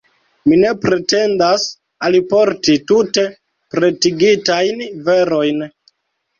Mi ne pretendas alporti tute pretigitajn verojn.